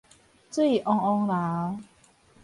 水汪汪流